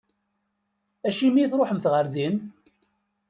Acimi i tṛuḥemt ɣer din?